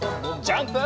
ジャンプ！